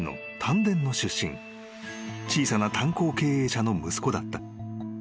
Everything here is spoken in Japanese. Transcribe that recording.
［小さな炭鉱経営者の息子だった］